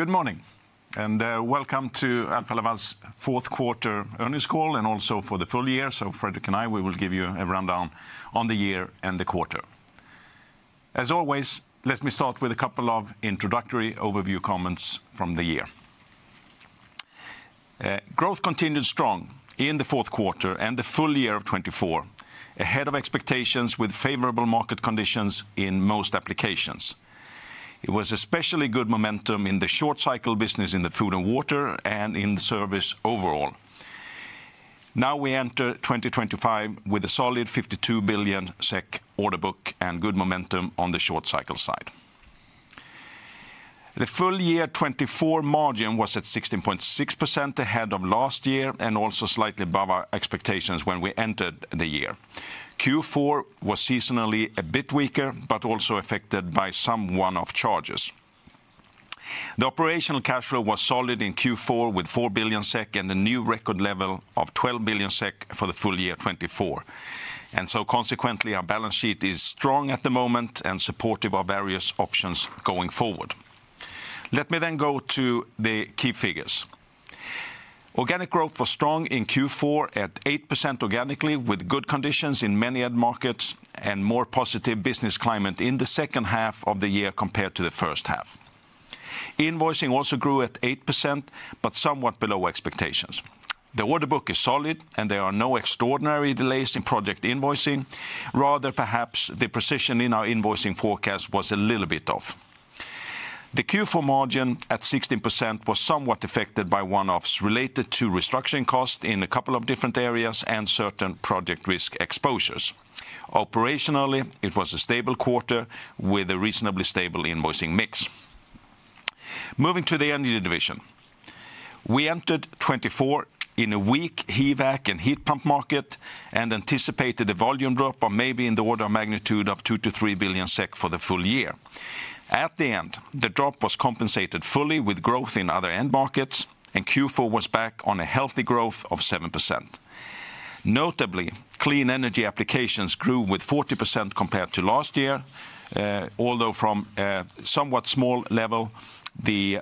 Good morning, and welcome to Alfa Laval's fourth quarter earnings call, and also for the full year. Fredrik and I, we will give you a rundown on the year and the quarter. As always, let me start with a couple of introductory overview comments from the year. Growth continued strong in the fourth quarter and the full year of 2024, ahead of expectations with favorable market conditions in most applications. It was especially good momentum in the short-cycle business in the Food & Water and in service overall. Now we enter 2025 with a solid 52 billion SEK order book and good momentum on the short cycle side. The full year 2024 margin was at 16.6%, ahead of last year and also slightly above our expectations when we entered the year. Q4 was seasonally a bit weaker, but also affected by some one-off charges. The operational cash flow was solid in Q4 with 4 billion SEK and a new record level of 12 billion SEK for the full year 2024, and so consequently, our balance sheet is strong at the moment and supportive of various options going forward. Let me then go to the key figures. Organic growth was strong in Q4 at 8% organically, with good conditions in many markets and more positive business climate in the second half of the year compared to the first half. Invoicing also grew at 8%, but somewhat below expectations. The order book is solid, and there are no extraordinary delays in project invoicing. Rather, perhaps the precision in our invoicing forecast was a little bit off. The Q4 margin at 16% was somewhat affected by one-offs related to restructuring costs in a couple of different areas and certain project risk exposures. Operationally, it was a stable quarter with a reasonably stable invoicing mix. Moving to the Energy Division, we entered 2024 in a weak HVAC and heat pump market and anticipated a volume drop of maybe in the order of magnitude of 2 billion-3 billion SEK for the full year. At the end, the drop was compensated fully with growth in other end markets, and Q4 was back on a healthy growth of 7%. Notably, clean energy applications grew with 40% compared to last year. Although from a somewhat small level, the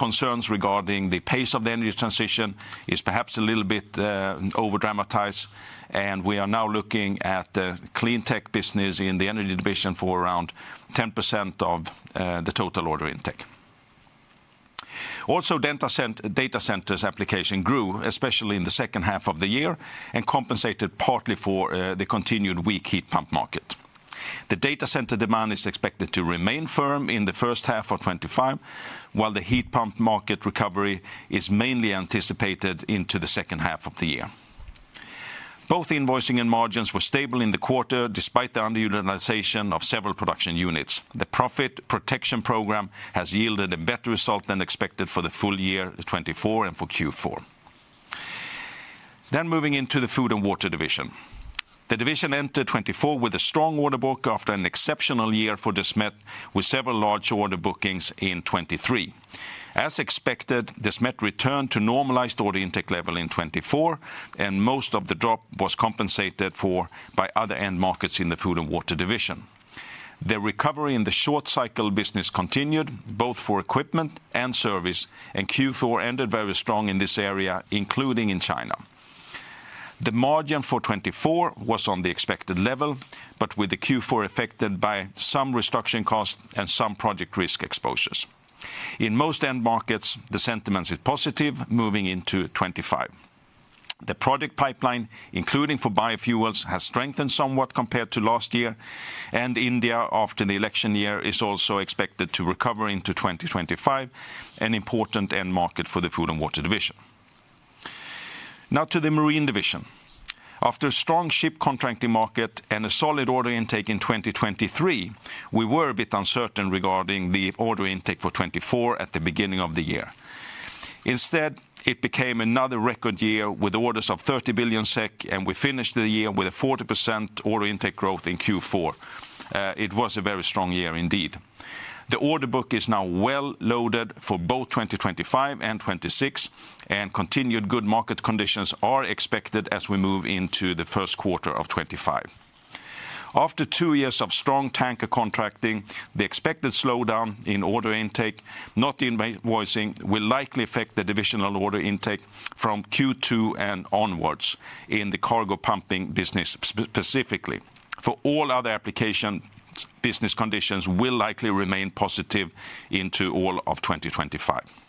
global concerns regarding the pace of the energy transition is perhaps a little bit overdramatized. And we are now looking at the clean tech business in the Energy Division for around 10% of the total order intake. Also, data centers application grew, especially in the second half of the year, and compensated partly for the continued weak heat pump market. The data center demand is expected to remain firm in the first half of 2025, while the heat pump market recovery is mainly anticipated into the second half of the year. Both invoicing and margins were stable in the quarter despite the underutilization of several production units. The profit protection program has yielded a better result than expected for the full year 2024 and for Q4. Then moving into the Food & Water Division, the division entered 2024 with a strong order book after an exceptional year for Desmet, with several large order bookings in 2023. As expected, Desmet returned to normalized order intake level in 2024, and most of the drop was compensated for by other end markets in the Food & Water Division. The recovery in the short cycle business continued, both for equipment and service, and Q4 ended very strong in this area, including in China. The margin for 2024 was on the expected level, but with the Q4 affected by some restructuring costs and some project risk exposures. In most end markets, the sentiment is positive moving into 2025. The project pipeline, including for biofuels, has strengthened somewhat compared to last year, and India, after the election year, is also expected to recover into 2025, an important end market for the Food & Water Division. Now to the Marine Division. After a strong ship contracting market and a solid order intake in 2023, we were a bit uncertain regarding the order intake for 2024 at the beginning of the year. Instead, it became another record year with orders of 30 billion SEK, and we finished the year with a 40% order intake growth in Q4. It was a very strong year indeed. The order book is now well loaded for both 2025 and 2026, and continued good market conditions are expected as we move into the first quarter of 2025. After two years of strong tanker contracting, the expected slowdown in order intake, not invoicing, will likely affect the divisional order intake from Q2 and onwards in the cargo pumping business specifically. For all other application, business conditions will likely remain positive into all of 2025.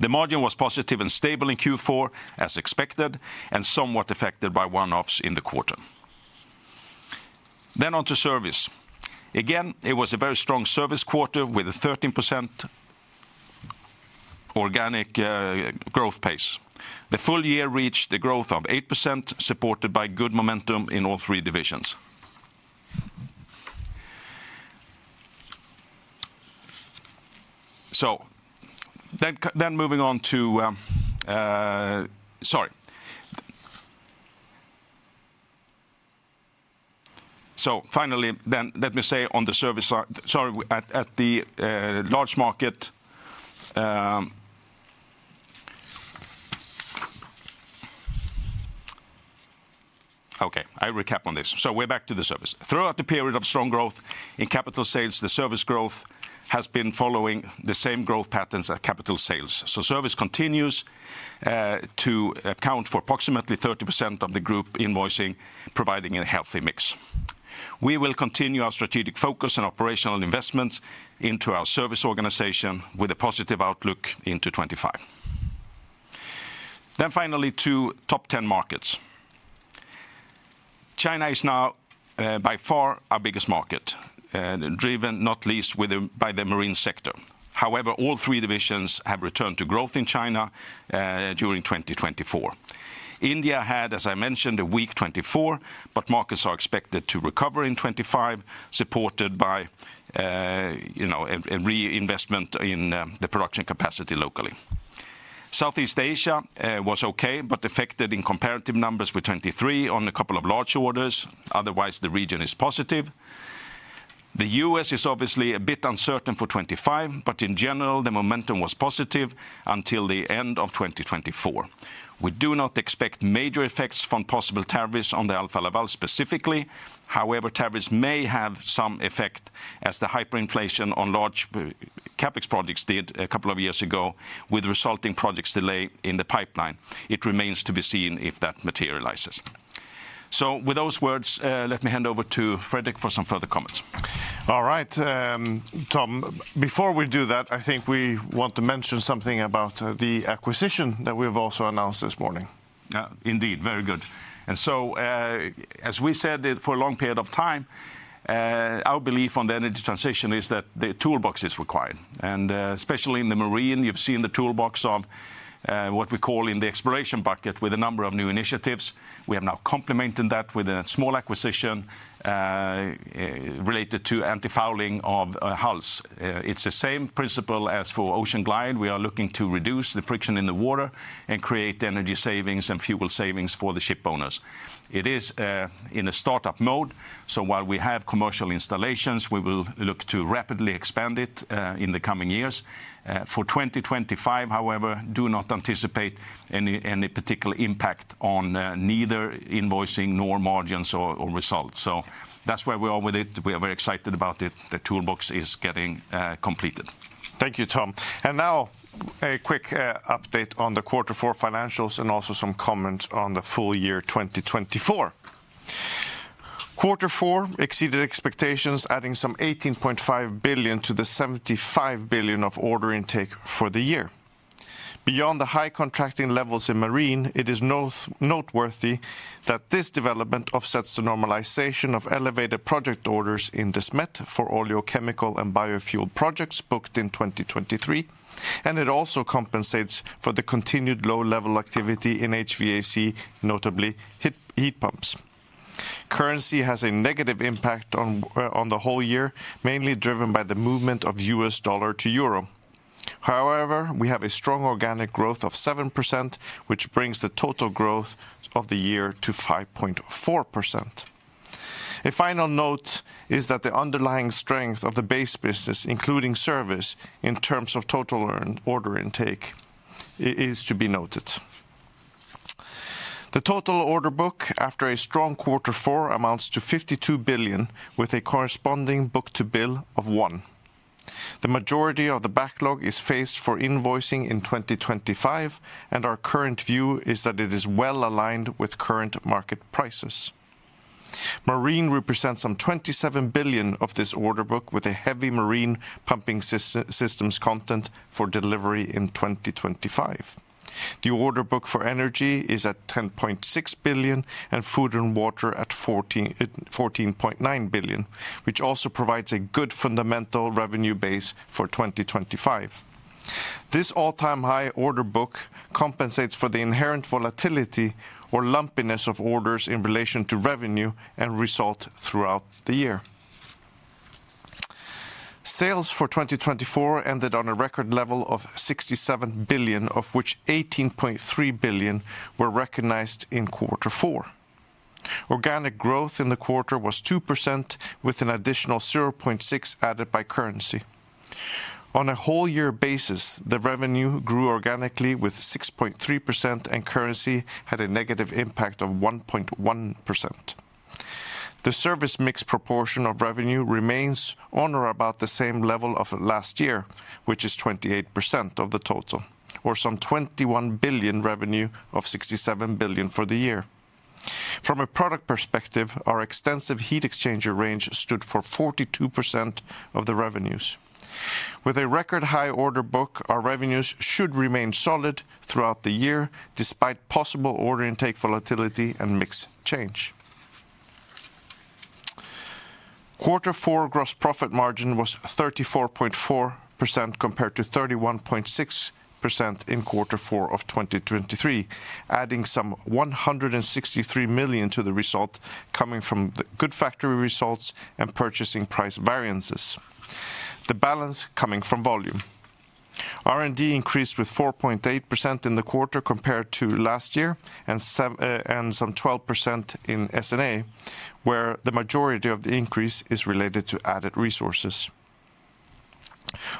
The margin was positive and stable in Q4, as expected, and somewhat affected by one-offs in the quarter. Then on to service. Again it was a very strong service quarter with a 13% organic growth pace. The full year reached a growth of 8%, supported by good momentum in all three divisions. So then moving on to, sorry. So finally then, let me say on the service side, sorry, at the large market. Okay, I'll recap on this. So we're back to the service. Throughout the period of strong growth in capital sales, the service growth has been following the same growth patterns as capital sales. So service continues to account for approximately 30% of the group invoicing, providing a healthy mix. We will continue our strategic focus and operational investments into our service organization with a positive outlook into 2025. Then finally, to top 10 markets. China is now by far our biggest market, driven not least by the marine sector. However, all three divisions have returned to growth in China during 2024. India had, as I mentioned, a weak 2024, but markets are expected to recover in 2025, supported by a reinvestment in the production capacity locally. Southeast Asia was okay, but affected in comparative numbers with 2023 on a couple of large orders. Otherwise, the region is positive. The U.S. is obviously a bit uncertain for 2025, but in general, the momentum was positive until the end of 2024. We do not expect major effects from possible tariffs on Alfa Laval specifically. However, tariffs may have some effect as the hyperinflation on large-CapEx projects did a couple of years ago, with resulting project delays in the pipeline. It remains to be seen if that materializes. So with those words, let me hand over to Fredrik for some further comments. All right, Tom, before we do that, I think we want to mention something about the acquisition that we have also announced this morning. Indeed, very good, and so as we said for a long period of time, our belief on the energy transition is that the toolbox is required, and especially in the marine, you've seen the toolbox of what we call in the exploration bucket with a number of new initiatives. We have now complemented that with a small acquisition related to anti-fouling of hulls. It's the same principle as for OceanGlide. We are looking to reduce the friction in the water and create energy savings and fuel savings for the ship owners. It is in a startup mode, so while we have commercial installations, we will look to rapidly expand it in the coming years. For 2025, however, do not anticipate any particular impact on neither invoicing nor margins or results. So that's where we are with it. We are very excited about it. The toolbox is getting completed. Thank you, Tom. And now a quick update on the quarter four financials and also some comments on the full year 2024. Quarter four exceeded expectations, adding some 18.5 billion to the 75 billion of order intake for the year. Beyond the high contracting levels in Marine, it is noteworthy that this development offsets the normalization of elevated project orders in Desmet for oleochemical and biofuel projects booked in 2023. And it also compensates for the continued low-level activity in HVAC, notably heat pumps. Currency has a negative impact on the whole year, mainly driven by the movement of U.S. Dollar to euro. However, we have a strong organic growth of 7%, which brings the total growth of the year to 5.4%. A final note is that the underlying strength of the base business, including service, in terms of total order intake is to be noted. The total order book after a strong quarter four amounts to 52 billion, with a corresponding book-to-bill of 1. The majority of the backlog is phased for invoicing in 2025, and our current view is that it is well aligned with current market prices. Marine represents some 27 billion of this order book with a heavy marine pumping systems content for delivery in 2025. The order book for Energy is at 10.6 billion, and Food & Water at 14.9 billion, which also provides a good fundamental revenue base for 2025. This all-time-high order book compensates for the inherent volatility or lumpiness of orders in relation to revenue and result throughout the year. Sales for 2024 ended on a record level of 67 billion, of which 18.3 billion were recognized in quarter four. Organic growth in the quarter was 2%, with an additional 0.6% added by currency. On a whole year basis, the revenue grew organically with 6.3%, and currency had a negative impact of 1.1%. The service mix proportion of revenue remains on or about the same level of last year, which is 28% of the total or some 21 billion revenue of 67 billion for the year. From a product perspective, our extensive heat exchanger range stood for 42% of the revenues. With a record-high order book, our revenues should remain solid throughout the year, despite possible order intake volatility and mix change. Quarter four gross profit margin was 34.4% compared to 31.6% in quarter four of 2023, adding some 163 million to the result coming from the good factory results and purchasing price variances, the balance coming from volume. R&D increased with 4.8% in the quarter compared to last year; and some 12% in S&A, where the majority of the increase is related to added resources.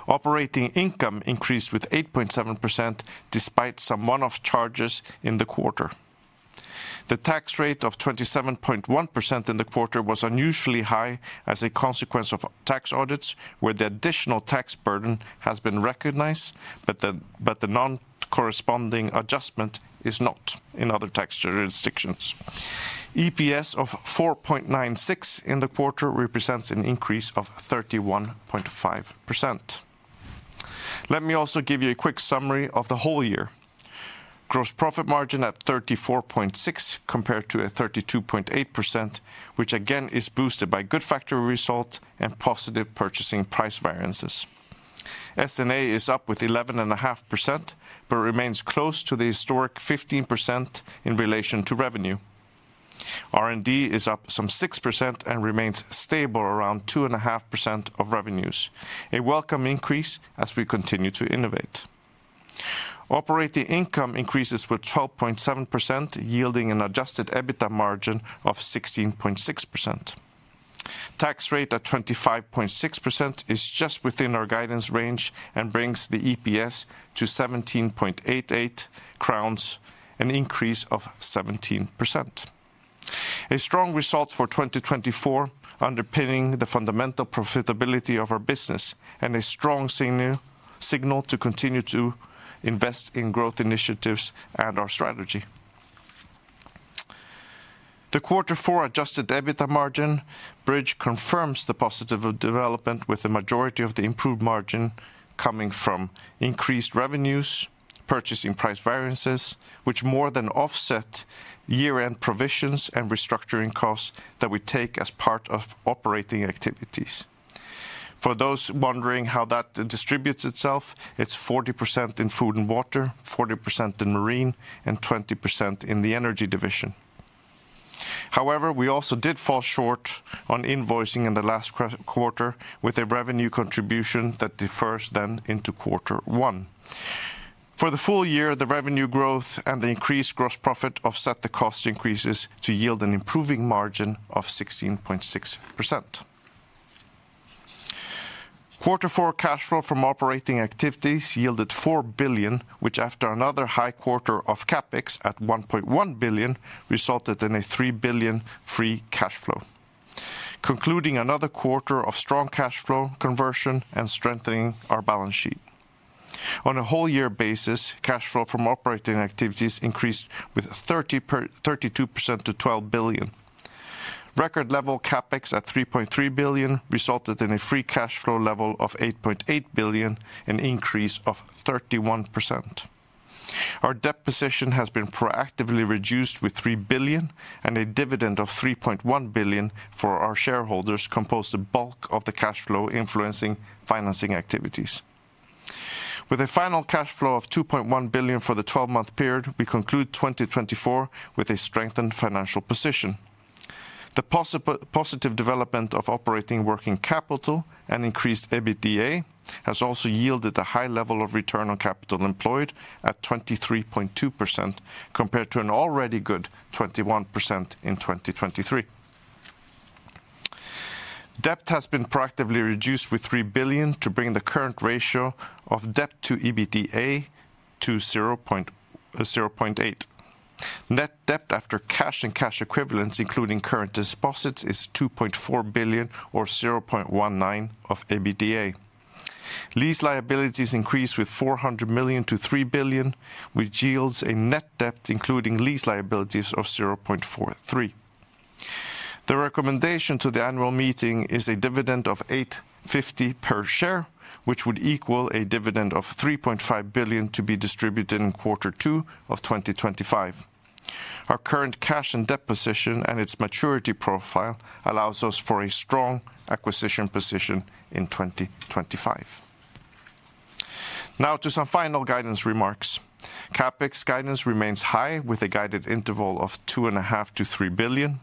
Operating income increased with 8.7% despite some one-off charges in the quarter. The tax rate of 27.1% in the quarter was unusually high as a consequence of tax audits, where the additional tax burden has been recognized, but the corresponding adjustment is not in other tax jurisdictions. EPS of 4.96 in the quarter represents an increase of 31.5%. Let me also give you a quick summary of the whole year. Gross profit margin at 34.6% compared to a 32.8%, which again is boosted by good factory result and positive purchasing price variances. S&A is up with 11.5%, but remains close to the historic 15% in relation to revenue. R&D is up some 6% and remains stable around 2.5% of revenues, a welcome increase as we continue to innovate. Operating income increases with 12.7%, yielding an adjusted EBITDA margin of 16.6%. Tax rate at 25.6% is just within our guidance range; and brings the EPS to 17.88 crowns, an increase of 17%. A strong result for 2024 underpinning the fundamental profitability of our business and a strong signal to continue to invest in growth initiatives and our strategy. The quarter four adjusted EBITDA margin bridge confirms the positive development, with the majority of the improved margin coming from increased revenues, purchasing price variances, which more than offset year-end provisions and restructuring costs that we take as part of operating activities. For those wondering how that distributes itself, it's 40% in Food & Water, 40% in Marine, and 20% in the Energy Division. However, we also did fall short on invoicing in the last quarter with a revenue contribution that defers then into quarter one. For the full year, the revenue growth and the increased gross profit offset the cost increases to yield an improving margin of 16.6%. Quarter four cash flow from operating activities yielded 4 billion, which after another high quarter of CapEx at 1.1 billion resulted in a 3 billion free cash flow, concluding another quarter of strong cash flow conversion and strengthening our balance sheet. On a whole year basis, cash flow from operating activities increased with 32% to 12 billion. Record-level CapEx at 3.3 billion resulted in a free cash flow level of 8.8 billion, an increase of 31%. Our debt position has been proactively reduced with 3 billion. And a dividend of 3.1 billion for our shareholders composed of bulk of the cash flow influencing financing activities. With a final cash flow of 2.1 billion for the 12-month period, we conclude 2024 with a strengthened financial position. The positive development of operating working capital and increased EBITDA has also yielded a high level of return on capital employed at 23.2% compared to an already good 21% in 2023. Debt has been proactively reduced with 3 billion to bring the current ratio of debt to EBITDA to 0.8. Net debt after cash and cash equivalents, including current deposits, is 2.4 billion or 0.19 of EBITDA. Lease liabilities increased with 400 million to 3 billion, which yields a net debt including lease liabilities of 0.43. The recommendation to the annual meeting is a dividend of 8.50 per share, which would equal a dividend of 3.5 billion to be distributed in quarter two of 2025. Our current cash and debt position and its maturity profile allows us for a strong acquisition position in 2025. Now to some final guidance remarks. CapEx guidance remains high with a guided interval of 2.5 billion-3 billion.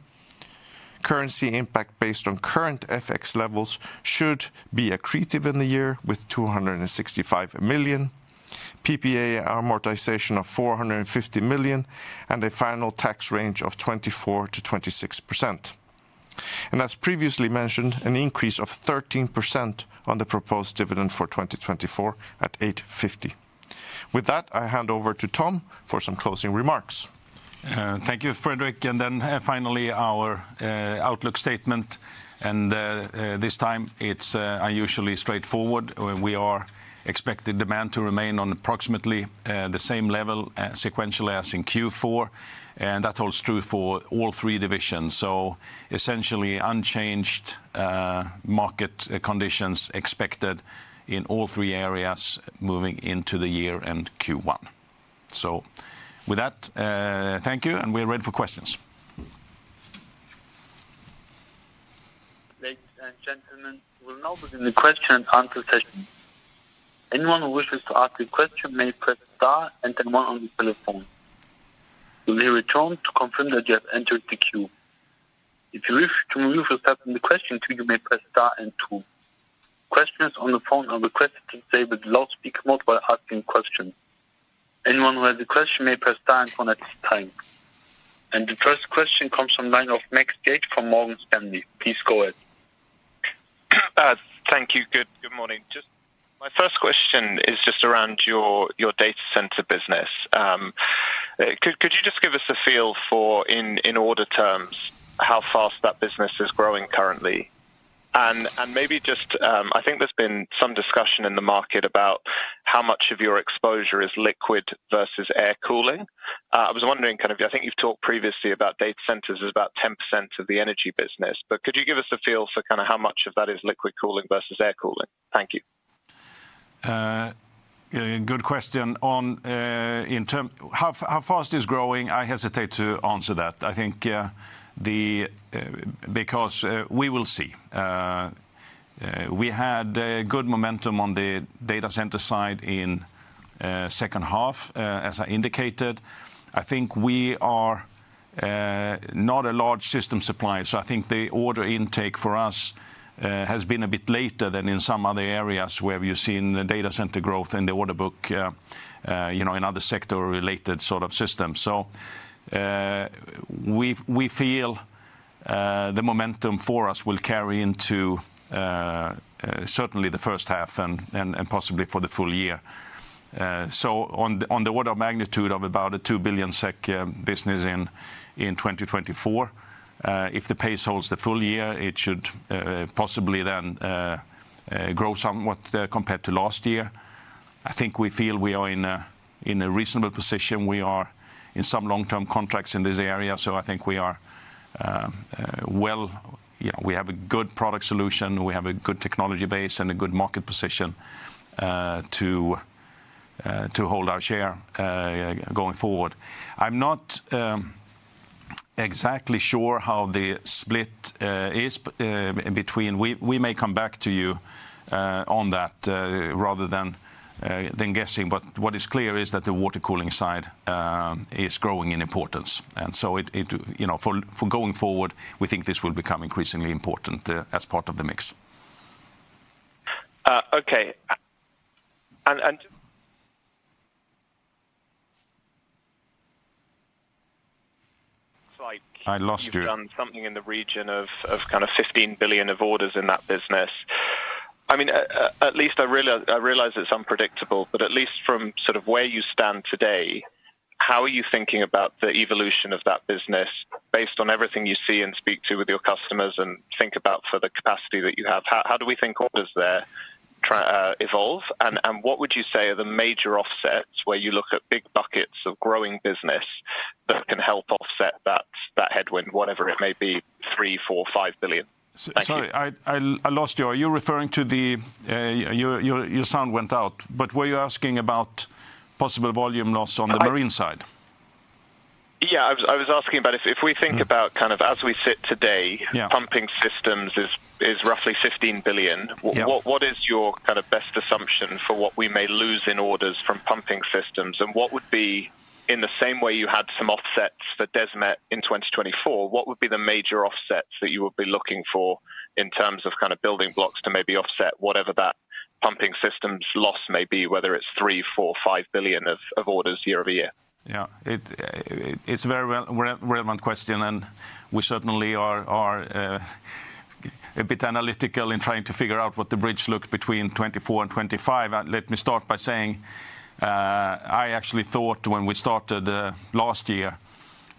Currency impact based on current FX levels should be accretive in the year with 265 million. PPA amortization of 450 million and a final tax range of 24%-26%; and as previously mentioned, an increase of 13% on the proposed dividend for 2024 at 8.50. With that, I hand over to Tom for some closing remarks. Thank you, Fredrik, and then finally, our outlook statement, and this time it's unusually straightforward. We are expecting demand to remain on approximately the same level sequentially as in Q4, and that holds true for all three divisions, so essentially unchanged market conditions expected in all three areas moving into the year and Q1. So with that, thank you, and we're ready for questions. Ladies and gentlemen, we'll now begin the question and answer session. Anyone who wishes to ask a question may press star and then one on the telephone. You may return to confirm that you have entered the queue. If you wish to remove yourself from the question queue, you may press star and two. Questions on the phone are requested to stay with the loudspeaker mode while asking questions. Anyone who has a question may press star and one at this time. And the first question comes from the line of Max Yates from Morgan Stanley. Please go ahead. Thank you. Good morning. Just my first question is just around your data center business. Could you just give us a feel for, in order terms, how fast that business is growing currently? And maybe just I think there's been some discussion in the market about how much of your exposure is liquid versus air cooling. I was wondering kind of I think you've talked previously about data centers as about 10% of the Energy business, but could you give us a feel for kind of how much of that is liquid cooling versus air cooling? Thank you. Good question. In terms of how fast it's growing, I hesitate to answer that, I think, because we will see. We had good momentum on the data center side in the second half, as I indicated. I think we are not a large system supplier. So I think the order intake for us has been a bit later than in some other areas where we've seen the data center growth and the order book in other sector-related sort of systems. So we feel the momentum for us will carry into certainly the first half and possibly for the full year. So on the order of magnitude of about a 2 billion SEK business in 2024, if the pace holds the full year, it should possibly then grow somewhat compared to last year. I think we feel we are in a reasonable position. We are in some long-term contracts in this area, so I think we are well, we have a good product solution. We have a good technology base and a good market position to hold our share going forward. I'm not exactly sure how the split is between. We may come back to you on that rather than guessing, but what is clear is that the water cooling side is growing in importance, and so going forward, we think this will become increasingly important as part of the mix. Okay. And. I lost you. You've done something in the region of kind of 15 billion of orders in that business. I mean at least I realize it's unpredictable, but at least from sort of where you stand today, how are you thinking about the evolution of that business based on everything you see and speak to with your customers and think about for the capacity that you have? How do we think orders there evolve? And what would you say are the major offsets where you look at big buckets of growing business that can help offset that headwind, whatever it may be, 3 billion, 4 billion, 5 billion? Sorry, I lost you. Your sound went out, but were you asking about possible volume loss on the Marine side? Yeah, I was asking about if we think about kind of as we sit today, pumping systems is roughly 15 billion. What is your kind of best assumption for what we may lose in orders from pumping systems? And what would be in the same way you had some offsets for Desmet in 2024, what would be the major offsets that you would be looking for in terms of kind of building blocks to maybe offset whatever that pumping systems loss may be, whether it's 3 billion, 4 billion, 5 billion of orders year-over-year? Yeah, it's a very relevant question, and we certainly are a bit analytical in trying to figure out what the bridge looked between 2024 and 2025. Let me start by saying I actually thought, when we started last year,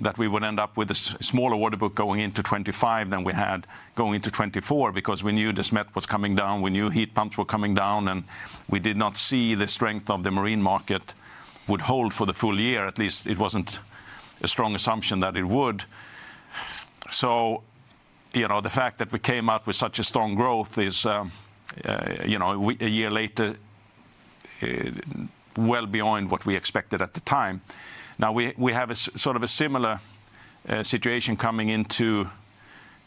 that we would end up with a smaller order book going into 2025 than we had going into 2024 because we knew Desmet was coming down. We knew heat pumps were coming down, and we did not see the strength of the marine market would hold for the full year. At least it wasn't a strong assumption that it would, so the fact that we came out with such a strong growth is, a year later, well beyond what we expected at the time. Now, we have sort of a similar situation coming into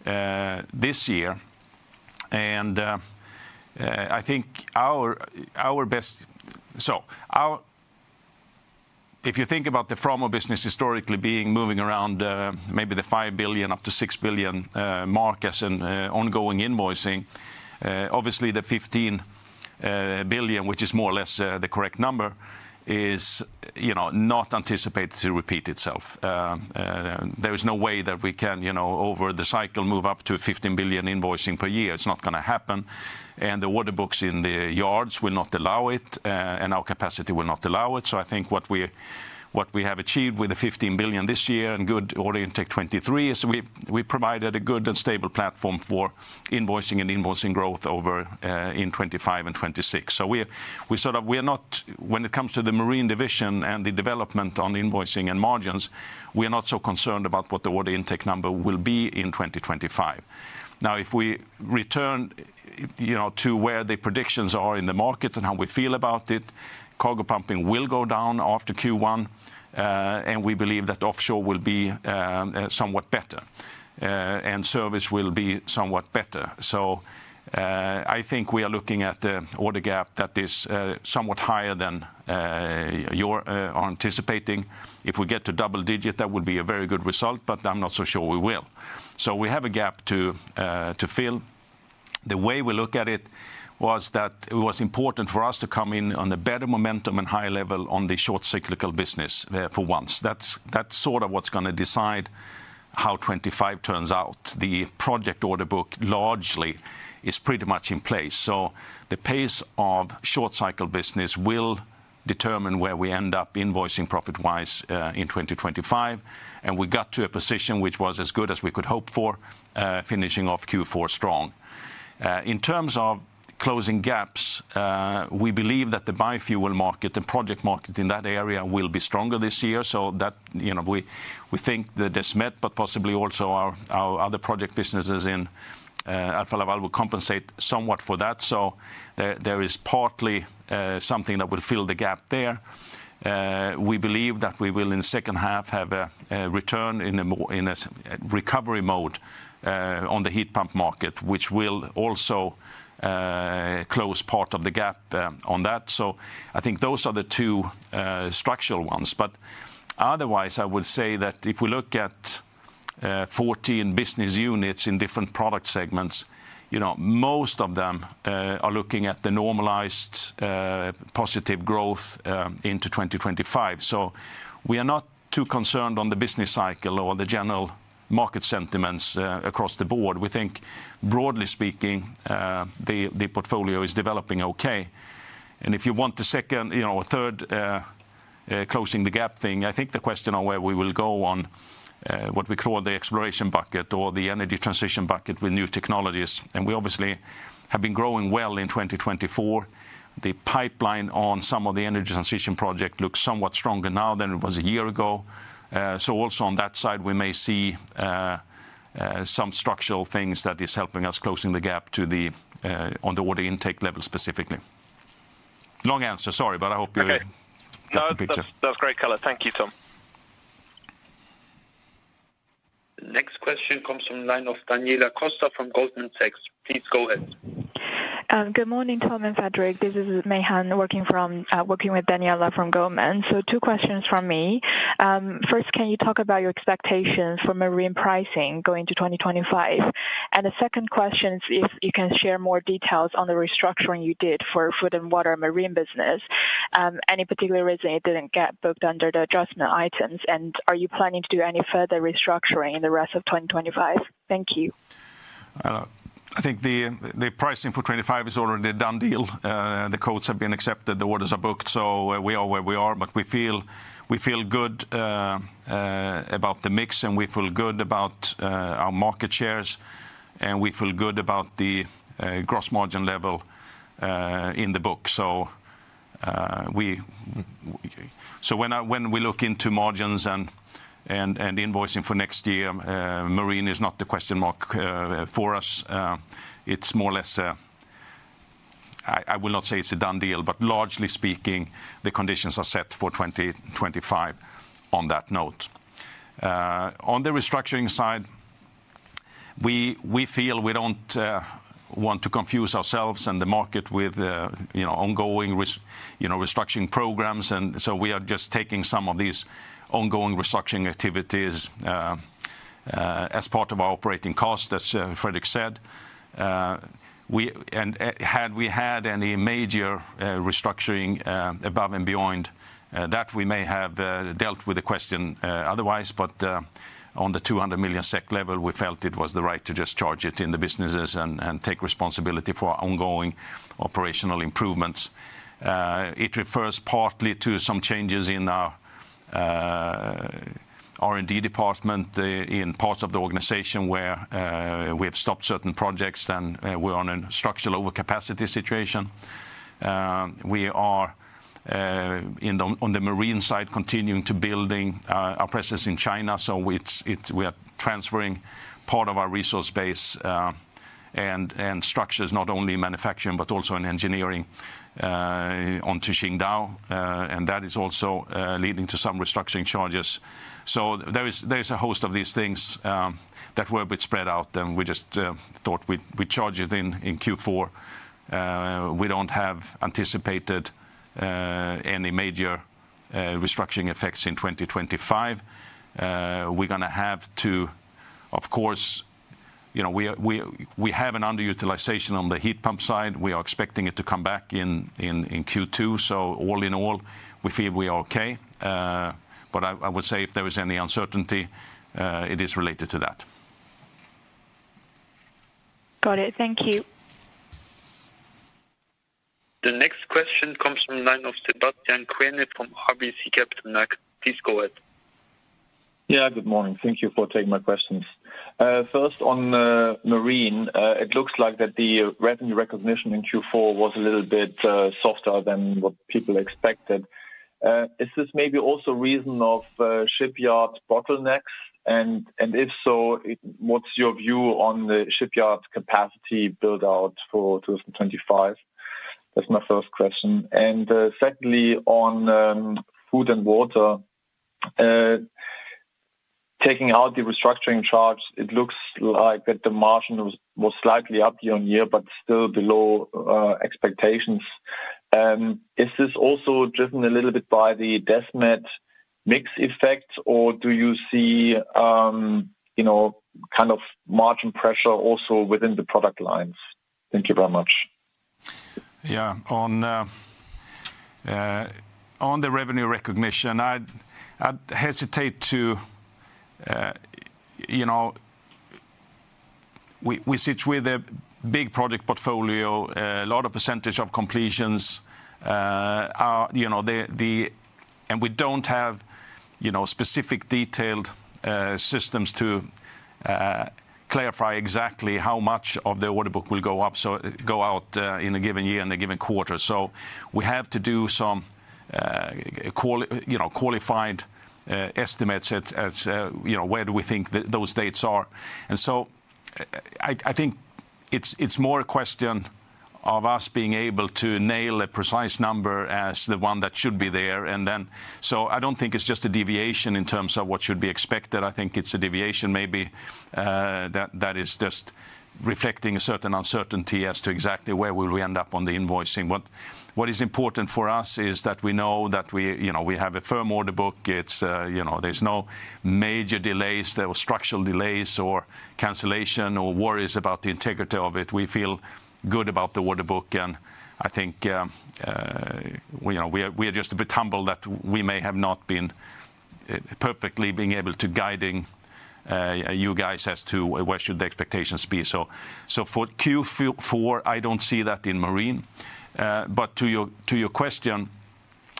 this year. I think our best so if you think about the Framo business historically being moving around maybe the 5 billion up to 6 billion mark as an ongoing invoicing, obviously the 15 billion, which is more or less the correct number, is not anticipated to repeat itself. There is no way that we can, over the cycle, move up to 15 billion invoicing per year. It's not going to happen. And the order books in the yards will not allow it. And our capacity will not allow it. So I think what we have achieved with the 15 billion this year and good order intake 2023 is we provided a good and stable platform for invoicing and invoicing growth over in 2025 and 2026. So we sort of are not, when it comes to the Marine Division and the development on invoicing and margins, so concerned about what the order intake number will be in 2025. Now, if we return to where the predictions are in the market and how we feel about it, cargo pumping will go down after Q1. We believe that offshore will be somewhat better and service will be somewhat better. I think we are looking at a order gap that is somewhat higher than you're anticipating. If we get to double digit, that would be a very good result, but I'm not so sure we will. We have a gap to fill. The way we look at it was that it was important for us to come in on a better momentum and high level on the short cycle business for once. That's sort of what's going to decide how 2025 turns out. The project order book largely is pretty much in place. The pace of short cycle business will determine where we end up invoicing profit-wise in 2025. We got to a position which was as good as we could hope for, finishing off Q4 strong. In terms of closing gaps, we believe that the biofuel market and project market in that area will be stronger this year. We think that Desmet but possibly also our other project businesses in Alfa Laval will compensate somewhat for that. There is partly something that will fill the gap there. We believe that we will in the second half have a return in a recovery mode on the heat pump market, which will also close part of the gap on that. I think those are the two structural ones. Otherwise, I would say that if we look at 14 business units in different product segments, most of them are looking at the normalized positive growth into 2025. We are not too concerned on the business cycle or the general market sentiments across the board. We think, broadly speaking, the portfolio is developing okay. If you want the second or third closing-the-gap thing, I think the question on where we will go on what we call the exploration bucket or the energy transition bucket with new technologies. We obviously have been growing well in 2024. The pipeline on some of the energy transition project looks somewhat stronger now than it was a year ago. Also on that side, we may see some structural things that is helping us closing the gap on the order intake level specifically. Long answer, sorry, but I hope you got the picture. That was great color. Thank you, Tom. Next question comes from the line of Daniela Costa from Goldman Sachs. Please go ahead. Good morning, Tom and Fredrik. This is Meihan working with Daniela from Goldman. So two questions from me. First, can you talk about your expectations for marine pricing going to 2025? And the second question is if you can share more details on the restructuring you did for the Food & Water and Marine business. Any particular reason it didn't get booked under the adjustment items? And are you planning to do any further restructuring in the rest of 2025? Thank you. I think the pricing for 2025 is already a done deal. The quotes have been accepted. The orders are booked, so we are where we are, but we feel good about the mix, and we feel good about our market shares, and we feel good about the gross margin level in the book. So when we look into margins and invoicing for next year, Marine is not the question mark for us. It's more or less a I will not say it's a done deal, but largely speaking, the conditions are set for 2025 on that note. On the restructuring side, we feel we don't want to confuse ourselves and the market with ongoing restructuring programs, and so we are just taking some of these ongoing restructuring activities as part of our operating cost, as Fredrik said. Had we had any major restructuring above and beyond that, we may have dealt with the question otherwise. On the 200 million SEK level, we felt it was the right to just charge it in the businesses and take responsibility for ongoing operational improvements. It refers partly to some changes in our R&D department in parts of the organization where we have stopped certain projects and we're on a structural overcapacity situation. We are on the Marine side continuing to build our presence in China. We are transferring part of our resource base and structures not only in manufacturing but also in engineering onto Qingdao. That is also leading to some restructuring charges. There is a host of these things that were a bit spread out. We just thought we'd charge it in Q4. We don't have anticipated any major restructuring effects in 2025. We're going to have to, of course, we have an underutilization on the heat pump side. We are expecting it to come back in Q2. So all in all, we feel we are okay, but I would say, if there is any uncertainty, it is related to that. Got it. Thank you. The next question comes from the line of Sebastian Kuenne from RBC Capital Markets. Please go ahead. Yeah, good morning. Thank you for taking my questions. First, on Marine, it looks like that the revenue recognition in Q4 was a little bit softer than what people expected. Is this maybe also a reason of shipyard bottlenecks? And if so, what's your view on the shipyard capacity build-out for 2025? That's my first question. And secondly, on Food & Water, taking out the restructuring charge, it looks like that the margin was slightly up year-on-year but still below expectations. Is this also driven a little bit by the Desmet mix effect, or do you see kind of margin pressure also within the product lines? Thank you very much. Yeah, on the revenue recognition, I'd hesitate to. We sit with a big project portfolio, a lot of percentage of completions. And we don't have specific detailed systems to clarify exactly how much of the order book will go out in a given year and a given quarter, so we have to do some qualified estimates as to where we think those dates are. And so I think it's more a question of us being able to nail a precise number as the one that should be there, and then so I don't think it's just a deviation in terms of what should be expected. I think it's a deviation maybe that is just reflecting a certain uncertainty as to exactly where we will end up on the invoicing. What is important for us is that we know that we have a firm order book. There's no major delays or structural delays or cancellation or worries about the integrity of it. We feel good about the order book. And I think we are just a bit humbled that we may have not been perfectly being able to guiding you guys as to where should the expectations be. So for Q4, I don't see that in Marine, but to your question,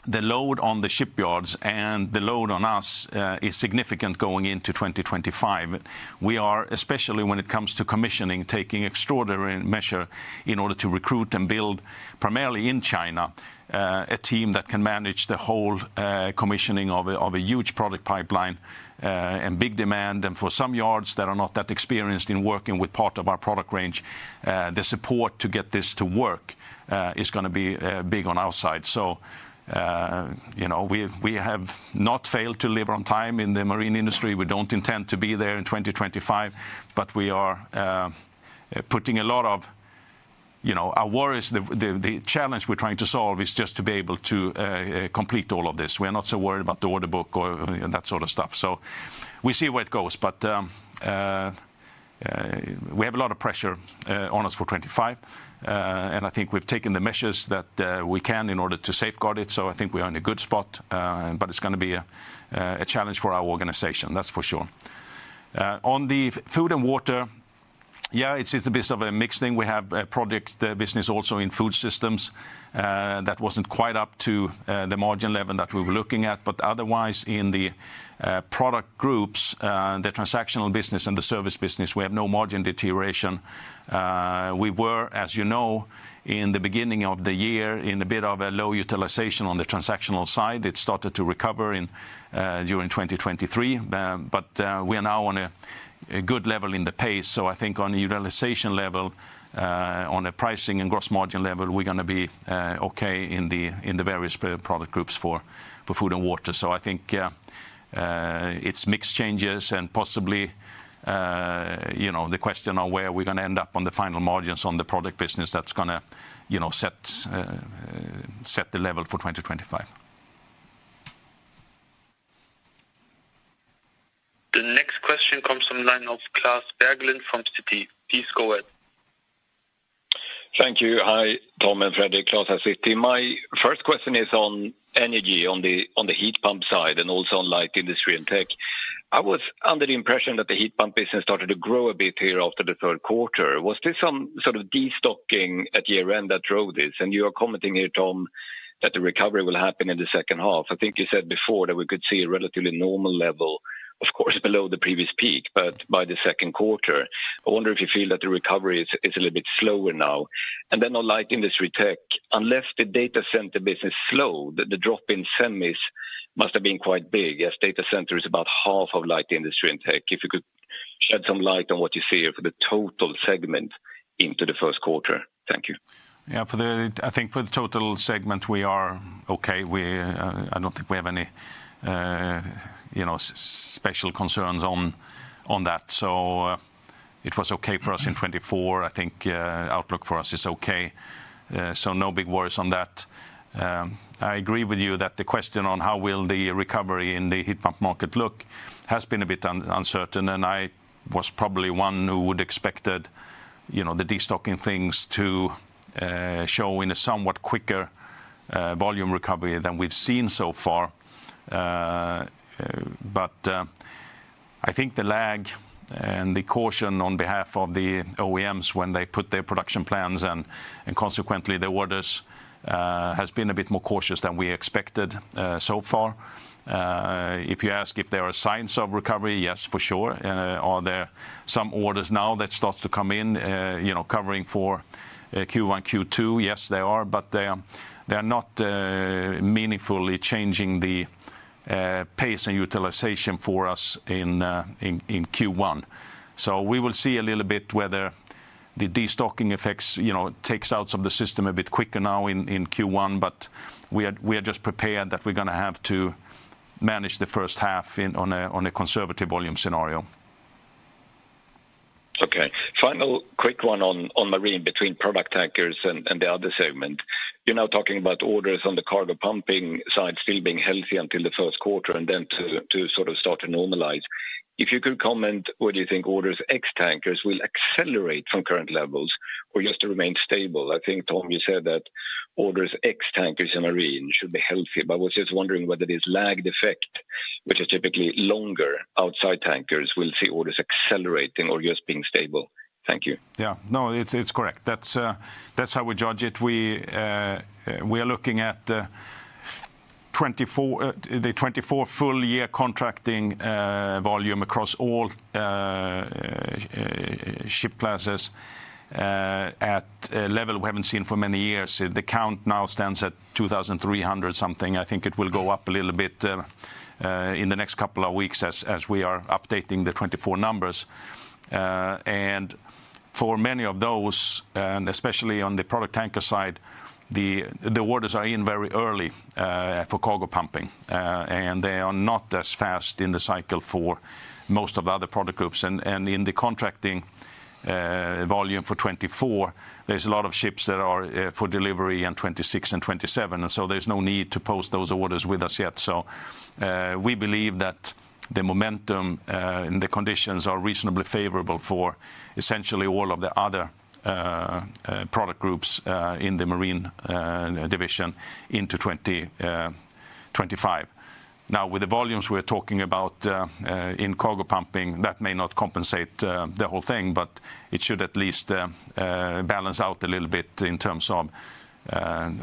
the load on the shipyards and the load on us is significant going into 2025. We are, especially when it comes to commissioning, taking extraordinary measures in order to recruit and build primarily in China a team that can manage the whole commissioning of a huge project pipeline and big demand. And for some yards that are not that experienced in working with part of our product range, the support to get this to work is going to be big on our side. We have not failed to deliver on time in the marine industry. We don't intend to be there in 2025. We are putting a lot of. The challenge we're trying to solve is just to be able to complete all of this. We are not so worried about the order book or that sort of stuff. We'll see where it goes. We have a lot of pressure on us for 2025. I think we've taken the measures that we can in order to safeguard it. I think we are in a good spot. It's going to be a challenge for our organization, that's for sure. On the Food & Water, yeah, it's a bit of a mixed thing. We have a project business also in food systems that wasn't quite up to the margin level that we were looking at. But otherwise, in the product groups, the transactional business and the service business, we have no margin deterioration. We were, as you know, in the beginning of the year, in a bit of a low utilization on the transactional side. It started to recover during 2023, but we are now on a good level in the pace, so I think, on the utilization level, on the pricing and gross margin level, we're going to be okay in the various product groups for Food & Water. So I think it's mix changes and possibly the question of where we're going to end up on the final margins on the product business that's going to set the level for 2025. The next question comes from the line of Klas Bergelind from Citi. Please go ahead. Thank you. Hi, Tom and Fredrik. Klas at Citi. My first question is on Energy, on the heat pump side and also on light industry and tech. I was under the impression that the heat pump business started to grow a bit here after the third quarter. Was this some sort of destocking at year-end that drove this? And you are commenting here, Tom, that the recovery will happen in the second half. I think you said before that we could see a relatively normal level, of course, below the previous peak but by the second quarter. I wonder if you feel that the recovery is a little bit slower now. And then on light industry, tech, unless the data center business slowed, the drop in semis must have been quite big, as data center is about half of light industry and tech. If you could shed some light on what you see here for the total segment into the first quarter. Thank you. Yeah, for the I think for the total segment, we are okay. I don't think we have any special concerns on that. So it was okay for us in 2024. I think outlook for us is okay, so no big worries on that. I agree with you that the question on how will the recovery in the heat pump market look has been a bit uncertain. And I was probably one who would expect the destocking things to show in a somewhat quicker volume recovery than we've seen so far, but I think the lag and the caution on behalf of the OEMs when they put their production plans and consequently the orders has been a bit more cautious than we expected so far. If you ask if there are signs of recovery, yes, for sure. Are there some orders now that start to come in covering for Q1, Q2? Yes, there are, but they are not meaningfully changing the pace and utilization for us in Q1. So we will see a little bit whether the destocking effects take out of the system a bit quicker now in Q1, but we are just prepared that we're going to have to manage the first half on a conservative volume scenario. Okay. Final quick one on Marine, between product tankers and the other segment. You're now talking about orders on the cargo pumping side still being healthy until the first quarter and then to sort of start to normalize. If you could comment whether you think orders ex-tankers will accelerate from current levels or just to remain stable. I think, Tom, you said that orders ex-tankers in Marine should be healthy, but I was just wondering whether this lagged effect, which is typically longer outside tankers, will see orders accelerating or just being stable. Thank you. Yeah, no, it's correct. That's how we judge it. We are looking at the 2024 full year contracting volume across all ship classes at a level we haven't seen for many years. The count now stands at 2,300-something. I think it will go up a little bit in the next couple of weeks as we are updating the 2024 numbers. And for many of those, and especially on the product tanker side, the orders are in very early for cargo pumping, and they are not as fast in the cycle for most of the other product groups. And in the contracting volume for 2024, there's a lot of ships that are for delivery in 2026 and 2027, and so there's no need to post those orders with us yet. So we believe that the momentum and the conditions are reasonably favorable for essentially all of the other product groups in the Marine Division into 2025. Now, with the volumes we're talking about in cargo pumping, that may not compensate the whole thing, but it should at least balance out a little bit in terms of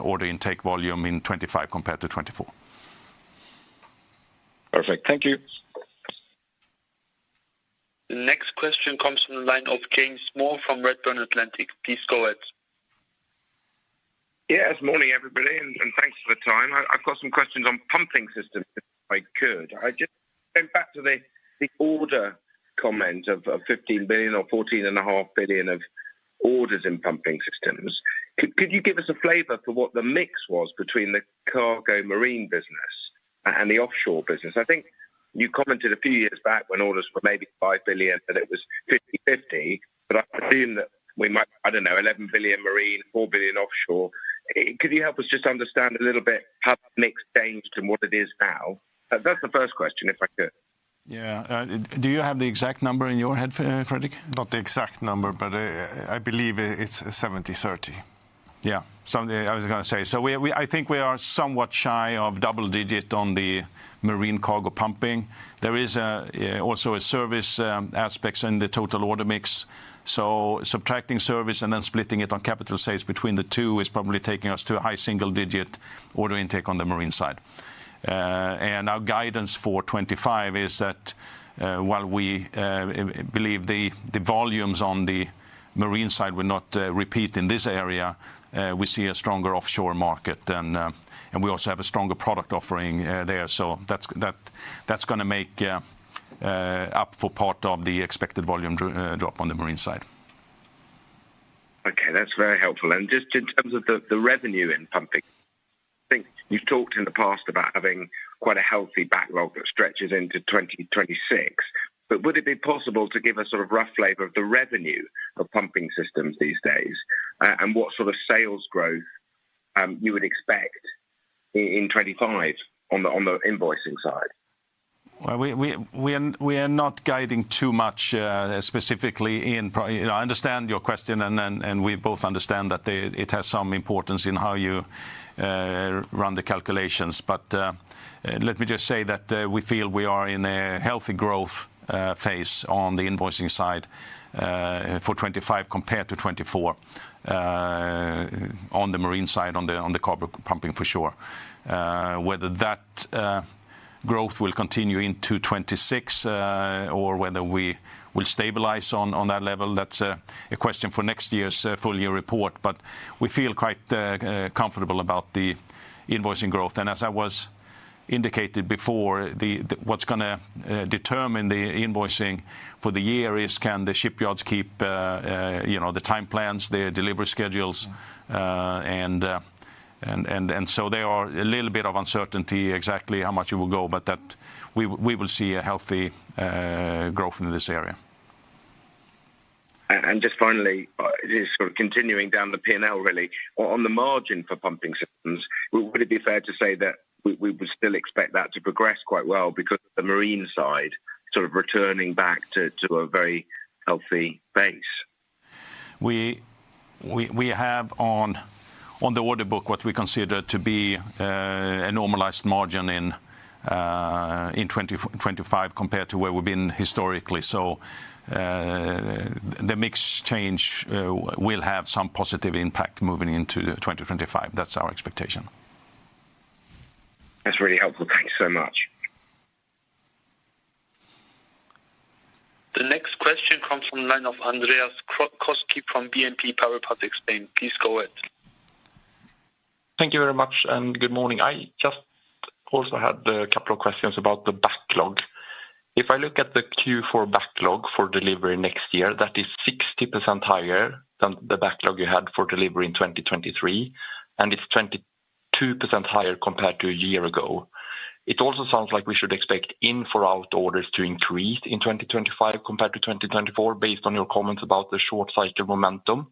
order intake volume in 2025 compared to 2024. Perfect. Thank you. Next question comes from the line of James Moore from Redburn Atlantic. Please go ahead. Yeah, good morning, everybody, and thanks for the time. I've got some questions on pumping systems if I could. I just went back to the order comment of 15 billion or 14.5 billion of orders in pumping systems. Could you give us a flavor for what the mix was between the cargo marine business and the offshore business? I think you commented a few years back when orders were maybe 5 billion that it was 50/50, but I assume that we might, I don't know, 11 billion marine, 4 billion offshore. Could you help us just understand a little bit how the mix changed and what it is now? That's the first question, if I could. Yeah. Do you have the exact number in your head, Fredrik? Not the exact number, but I believe it's 70/30. Yeah, something I was going to say. So I think we are somewhat shy of double digit on the marine cargo pumping. There is also a service aspect in the total order mix. So subtracting service and then splitting it on capital sales between the two is probably taking us to a high single-digit order intake on the marine side. And our guidance for 2025 is that, while we believe the volumes on the marine side will not repeat in this area, we see a stronger offshore market. And we also have a stronger product offering there, so that's going to make up for part of the expected volume drop on the marine side. Okay. That's very helpful. And just in terms of the revenue in pumping, I think you've talked in the past about having quite a healthy backlog that stretches into 2026, but would it be possible to give a sort of rough flavor of the revenue of pumping systems these days and what sort of sales growth you would expect in 2025 on the invoicing side? We are not guiding too much specifically in. I understand your question. We both understand that it has some importance in how you run the calculations. Let me just say that we feel we are in a healthy growth phase on the invoicing side for 2025 compared to 2024 on the Marine side, on the cargo pumping, for sure. Whether that growth will continue into 2026 or whether we will stabilize on that level, that is a question for next year's full year report. We feel quite comfortable about the invoicing growth. As I was indicated before, what is going to determine the invoicing for the year is can the shipyards keep the time plans, their delivery schedules. There is a little bit of uncertainty exactly how much it will go. We will see a healthy growth in this area. Just finally, sort of continuing down the P&L really, on the margin for pumping systems, would it be fair to say that we would still expect that to progress quite well because of the Marine side sort of returning back to a very healthy base? We have on the order book what we consider to be a normalized margin in 2025 compared to where we've been historically, so the mixed change will have some positive impact moving into 2025. That's our expectation. That's really helpful. Thanks so much. The next question comes from the line of Andreas Koski from BNP Paribas Exane. Please go ahead. Thank you very much, and good morning. I just also had a couple of questions about the backlog. If I look at the Q4 backlog for delivery next year, that is 60% higher than the backlog you had for delivery in 2023, and it's 22% higher compared to a year ago. It also sounds like we should expect in-for-out orders to increase in 2025 compared to 2024 based on your comments about the short cycle momentum,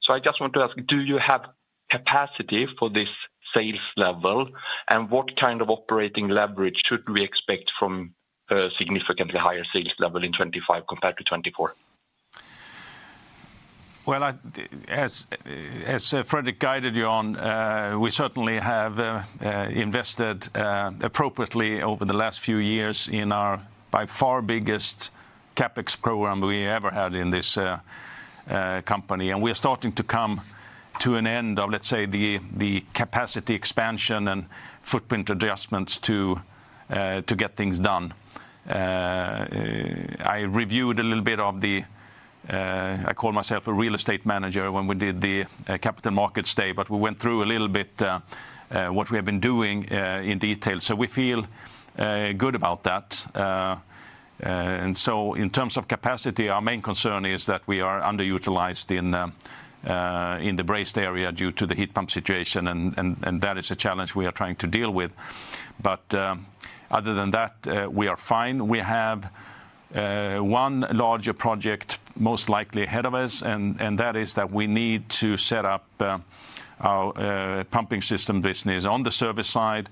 so I just want to ask, do you have capacity for this sales level? And what kind of operating leverage should we expect from a significantly higher sales level in 2025 compared to 2024? As Fredrik guided you on, we certainly have invested appropriately over the last few years in our, by far, biggest CapEx program we ever had in this company, and we are starting to come to an end of, let's say, the capacity expansion and footprint adjustments to get things done. I reviewed a little bit. I call myself a real estate manager when we did the Capital Markets Day, but we went through a little bit what we have been doing in detail. So we feel good about that. And so in terms of capacity, our main concern is that we are underutilized in the brazed area due to the heat pump situation, and that is a challenge we are trying to deal with, but other than that, we are fine. We have one larger project most likely ahead of us. And that is that we need to set up our pumping system business on the service side,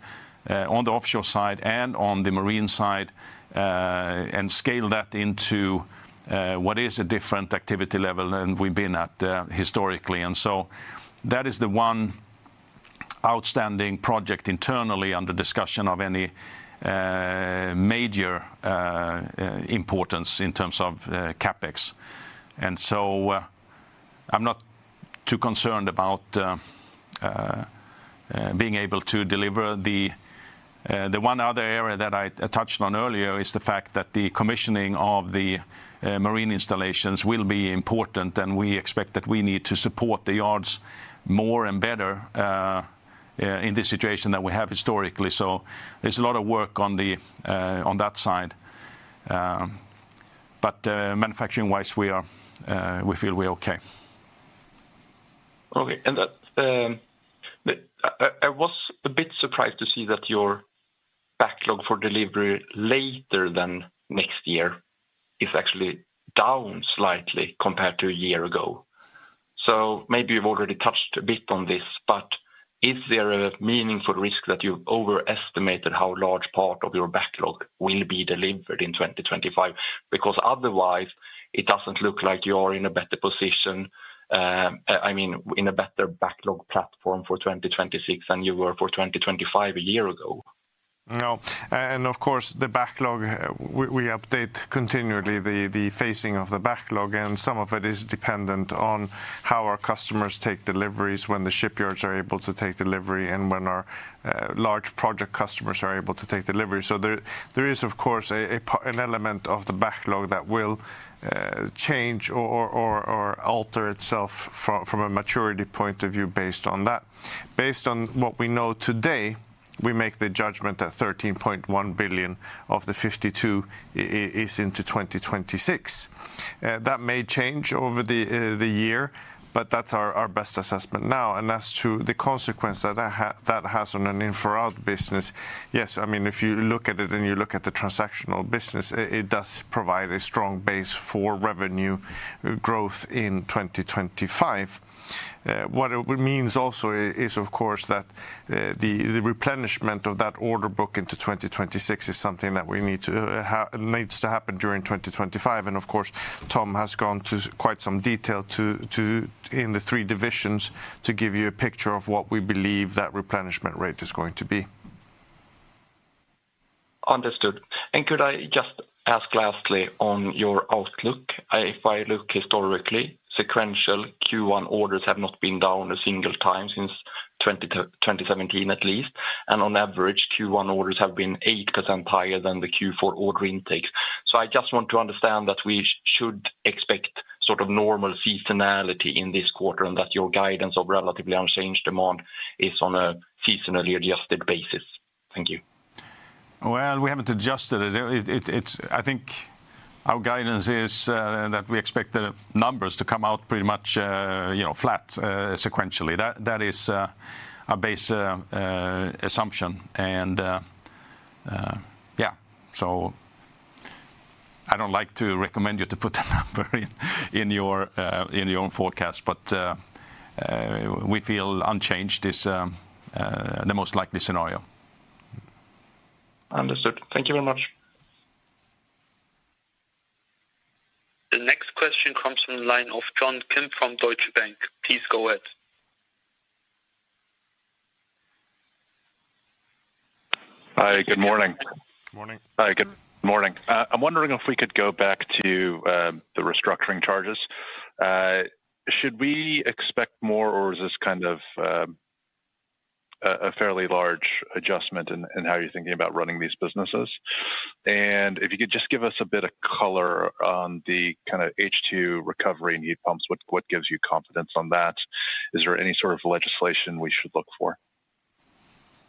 on the offshore side, and on the Marine side; and scale that into what is a different activity level than we've been at historically. And so that is the one outstanding project internally under discussion of any major importance in terms of CapEx. And so I'm not too concerned about being able to deliver. The one other area that I touched on earlier is the fact that the commissioning of the marine installations will be important. And we expect that we need to support the yards more and better in this situation than we have historically, so there's a lot of work on that side, but manufacturing-wise, we feel we're okay. Okay, and I was a bit surprised to see that your backlog for delivery later than next year is actually down slightly compared to a year ago. So maybe you've already touched a bit on this, but is there a meaningful risk that you've overestimated how large part of your backlog will be delivered in 2025? Because otherwise, it doesn't look like you are in a better position, I mean in a better backlog platform, for 2026 than you were for 2025 a year ago. No. And of course, the backlog, we update continually the phasing of the backlog. And some of it is dependent on how our customers take deliveries, when the shipyards are able to take delivery, and when our large project customers are able to take delivery. So there is, of course, an element of the backlog that will change or alter itself from a maturity point of view based on that. Based on what we know today, we make the judgment that 13.1 billion of the 52 billion is into 2026. That may change over the year, but that's our best assessment now. And as to the consequence that that has on an in-for-out business, yes, I mean, if you look at it and you look at the transactional business, it does provide a strong base for revenue growth in 2025. What it means also is, of course, that the replenishment of that order book into 2026 is something that needs to happen during 2025. And of course, Tom has gone to quite some detail in the three divisions to give you a picture of what we believe that replenishment rate is going to be. Understood. And could I just ask lastly on your outlook? If I look historically, sequential Q1 orders have not been down a single time since 2017 at least. And on average, Q1 orders have been 8% higher than the Q4 order intakes, so I just want to understand that we should expect sort of normal seasonality in this quarter and that your guidance of relatively unchanged demand is on a seasonally adjusted basis. Thank you. We haven't adjusted it. I think our guidance is that we expect the numbers to come out pretty much flat sequentially. That is a base assumption. Yeah. I don't like to recommend you to put a number in your forecast. We feel unchanged is the most likely scenario. Understood. Thank you very much. The next question comes from the line of John Kim from Deutsche Bank. Please go ahead. Hi. Good morning. Good morning. Hi. Good morning. I'm wondering if we could go back to the restructuring charges. Should we expect more or is this kind of a fairly large adjustment in how you're thinking about running these businesses? And if you could just give us a bit of color on the kind of H2 recovery in heat pumps, what gives you confidence on that? Is there any sort of legislation we should look for?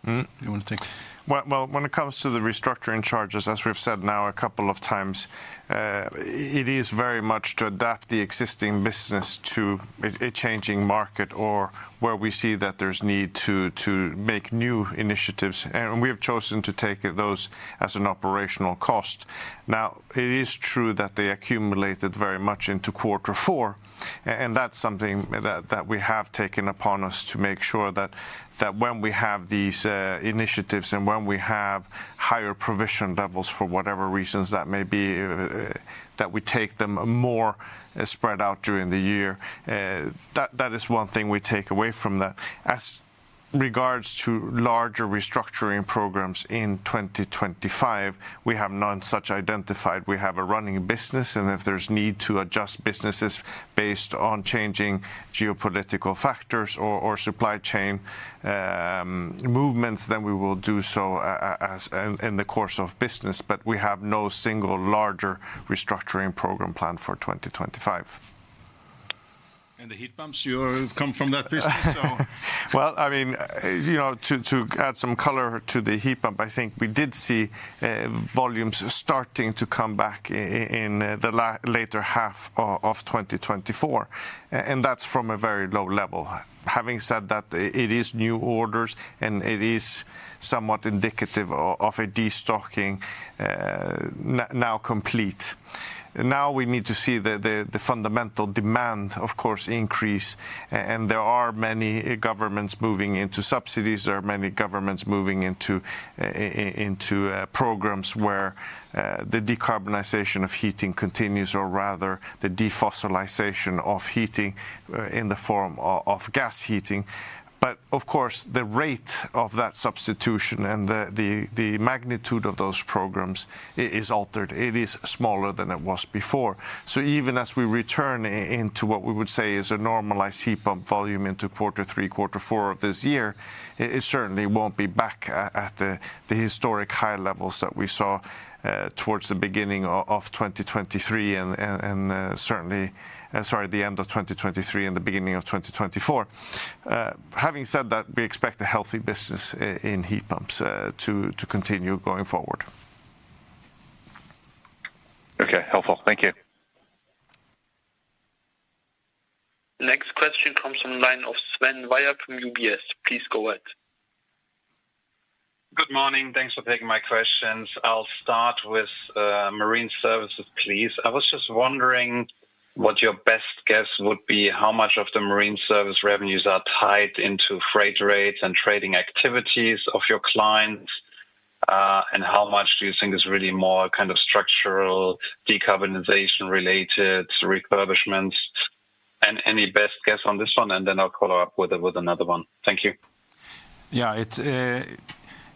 Do you want to take? Well, when it comes to the restructuring charges, as we've said now a couple of times, it is very much to adapt the existing business to a changing market or where we see that there's need to make new initiatives. And we have chosen to take those as an operational cost. Now, it is true that they accumulated very much into quarter four. And that's something that we have taken upon us to make sure that, when we have these initiatives and when we have higher provision levels for whatever reasons that may be, that we take them more spread out during the year. That is one thing we take away from that. As regards to larger restructuring programs in 2025, we have none such identified. We have a running business. And if there's need to adjust businesses based on changing geopolitical factors or supply chain movements, then we will do so in the course of business, but we have no single larger restructuring program planned for 2025. And the heat pumps, you come from that business, so. Well, I mean, to add some color to the heat pump, I think we did see volumes starting to come back in the latter half of 2024. And that's from a very low level. Having said that, it is new orders. And it is somewhat indicative of a destocking now complete. Now we need to see the fundamental demand, of course, increase. And there are many governments moving into subsidies. There are many governments moving into programs where the decarbonization of heating continues, or rather the defossilization of heating in the form of gas heating, but of course, the rate of that substitution and the magnitude of those programs is altered. It is smaller than it was before, so even as we return into what we would say is a normalized heat pump volume into quarter three, quarter four of this year, it certainly won't be back at the historic high levels that we saw towards the beginning of 2023 and certainly, sorry, the end of 2023 and the beginning of 2024. Having said that, we expect the healthy business in heat pumps to continue going forward. Okay. Helpful. Thank you. The next question comes from the line of Sven Weier from UBS. Please go ahead. Good morning. Thanks for taking my questions. I'll start with marine services, please. I was just wondering what your best guess would be. How much of the marine service revenues are tied into freight rates and trading activities of your clients? And how much do you think is really more kind of structural decarbonization-related refurbishments? And any best guess on this one? And then I'll follow up with another one. Thank you. Yeah.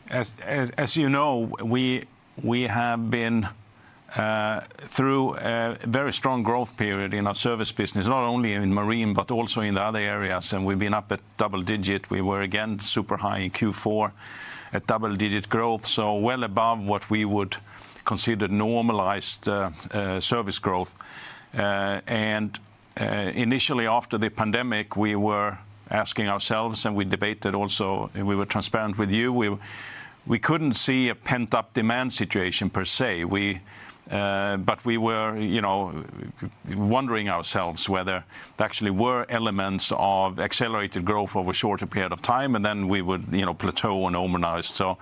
As you know, we have been through a very strong growth period in our service business, not only in Marine but also in the other areas. And we've been up at double digit. We were again super high in Q4 at double digit growth, so well above what we would consider normalized service growth. And initially, after the pandemic, we were asking ourselves and we debated also, and we were transparent with you. We couldn't see a pent-up demand situation per se, but we were wondering ourselves whether there actually were elements of accelerated growth over a shorter period of time. And then we would plateau and normalize. So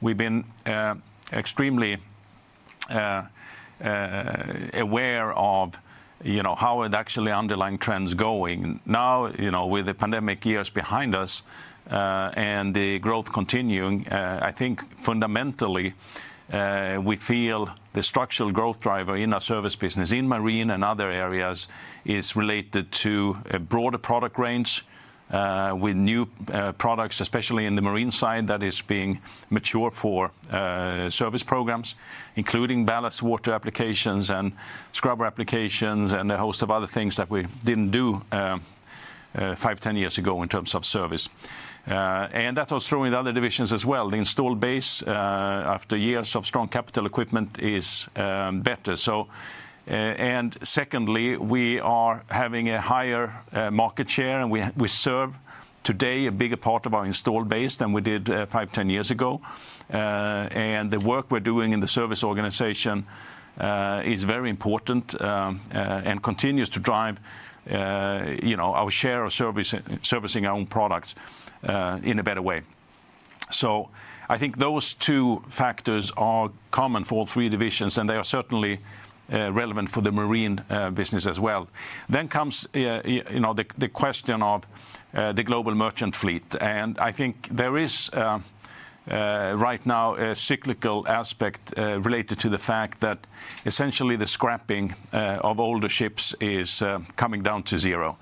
we've been extremely aware of how are the actual underlying trends going. Now, with the pandemic years behind us and the growth continuing, I think fundamentally we feel the structural growth driver in our service business in Marine and other areas is related to a broader product range with new products, especially in the Marine side, that is being matured for service programs, including ballast water applications and scrubber applications and a host of other things that we didn't do five, 10 years ago in terms of service. And that was true in the other divisions as well. The installed base, after years of strong capital equipment, is better. And secondly, we are having a higher market share, and we serve today a bigger part of our installed base than we did five, 10 years ago. And the work we're doing in the service organization is very important and continues to drive our share of servicing our own products in a better way. So I think those two factors are common for all three divisions. And they are certainly relevant for the Marine business as well. Then comes the question of the global merchant fleet. And I think there is right now a cyclical aspect related to the fact that essentially the scrapping of older ships is coming down to zero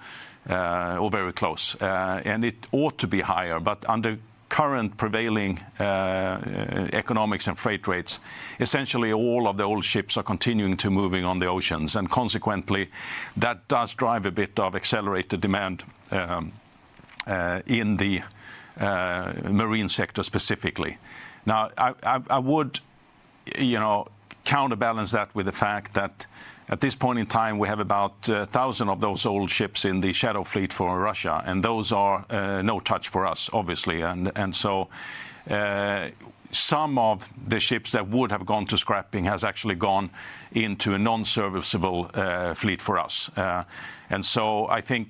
or very close. And it ought to be higher, but under current prevailing economics and freight rates, essentially all of the old ships are continuing to move on the oceans. And consequently, that does drive a bit of accelerated demand in the marine sector specifically. Now, I would counterbalance that with the fact that at this point in time we have about 1,000 of those old ships in the shadow fleet for Russia. And those are no touch for us, obviously. And so some of the ships that would have gone to scrapping have actually gone into a non-serviceable fleet for us. And so I think,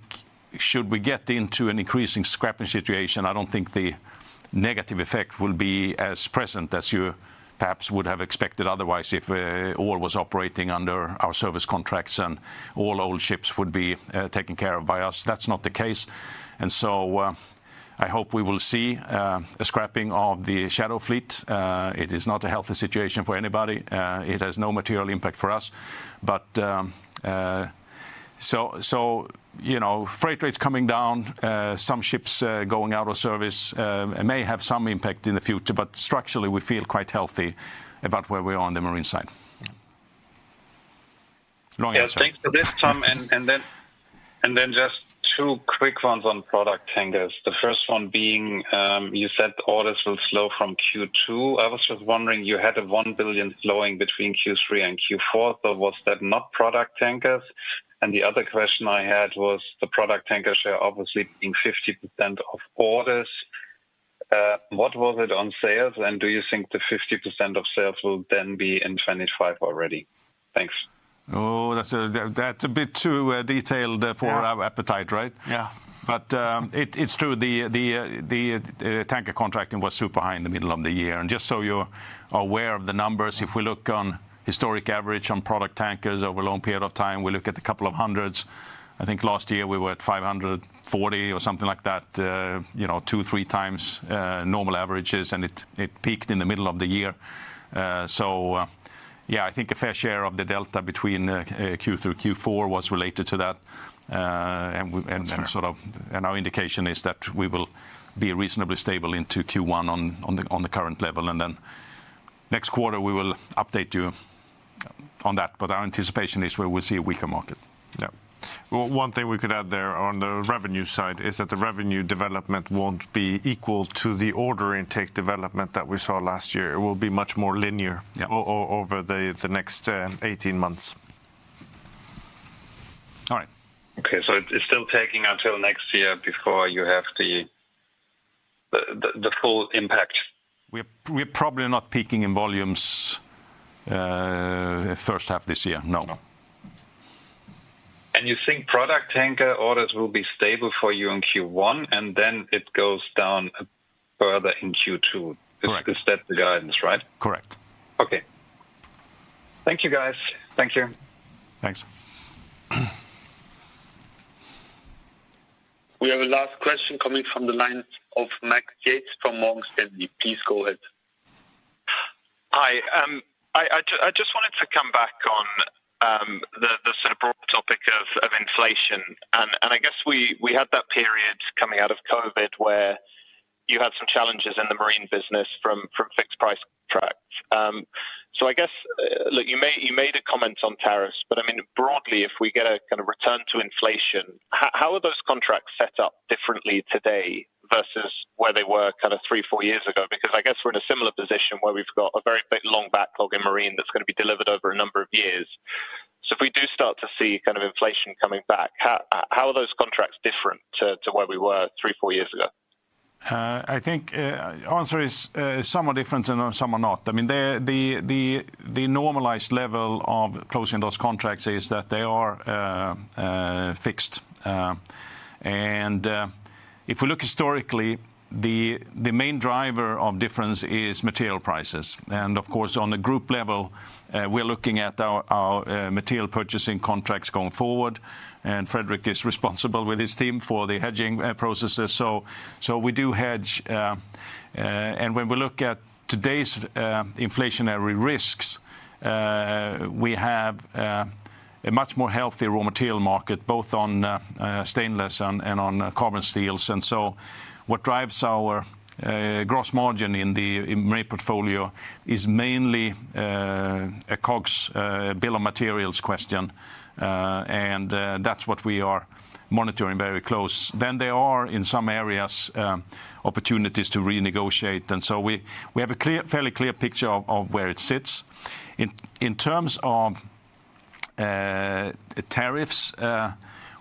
should we get into an increasing scrapping situation, I don't think the negative effect will be as present as you perhaps would have expected otherwise if all was operating under our service contracts and all old ships would be taken care of by us. That's not the case. And so I hope we will see a scrapping of the shadow fleet. It is not a healthy situation for anybody. It has no material impact for us. But so freight rates coming down, some ships going out of service may have some impact in the future, but structurally, we feel quite healthy about where we are on the Marine side. Yeah. Thanks for this, Tom. And then just two quick ones on product tankers, the first one being you said orders will slow from Q2. I was just wondering. You had a 1 billion flowing between Q3 and Q4, so was that not product tankers? And the other question I had was the product tanker share obviously being 50% of orders. What was it on sales? And do you think the 50% of sales will then be in 2025 already? Thanks. Oh, that's a bit too detailed for our appetite, right? Yeah, yeah. But it's true. The tanker contracting was super high in the middle of the year. And just so you're aware of the numbers, if we look on historic average on product tankers over a long period of time, we look at a couple of hundreds. I think, last year, we were at 540 or something like that, 2x, 3x times normal averages. And it peaked in the middle of the year. So yeah, I think a fair share of the delta between Q3 or Q4 was related to that. And sort of our indication is that we will be reasonably stable into Q1 on the current level. And then next quarter, we will update you on that, but our anticipation is we will see a weaker market. Yeah. One thing we could add there on the revenue side is that the revenue development won't be equal to the order intake development that we saw last year. It will be much more linear over the next 18 months. All right. Okay. So it's still taking until next year before you have the full impact. We're probably not peaking in volumes first half this year, no. No. And you think product tanker orders will be stable for you in Q1 and then it goes down further in Q2. Correct. Because that's the guidance, right? Correct. Okay. Thank you, guys. Thank you. Thanks. We have a last question coming from the line of Max Yates from Morgan Stanley. Please go ahead. Hi. I just wanted to come back on the sort of broad topic of inflation. And I guess we had that period coming out of COVID where you had some challenges in the Marine business from fixed-price contracts. So I guess, look, you made a comment on tariffs, but I mean, broadly, if we get a kind of return to inflation, how are those contracts set up differently today versus where they were kind of three, four years ago? Because I guess we're in a similar position where we've got a very long backlog in Marine that's going to be delivered over a number of years. So if we do start to see kind of inflation coming back, how are those contracts different to where we were three, four years ago? I think the answer is some are different and some are not. I mean the normalized level of closing those contracts is that they are fixed. And if we look historically, the main driver of difference is material prices. And of course, on the group level, we're looking at our material purchasing contracts going forward. And Fredrik is responsible, with his team, for the hedging processes. So we do hedge. And when we look at today's inflationary risks, we have a much more healthy raw material market, both on stainless and on carbon steels. And so what drives our gross margin in the Marine portfolio is mainly a COGS, bill of materials question. And that's what we are monitoring very close. Then there are, in some areas, opportunities to renegotiate. And so we have a fairly clear picture of where it sits. In terms of tariffs,